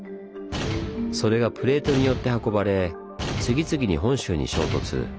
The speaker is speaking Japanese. それがプレートによって運ばれ次々に本州に衝突。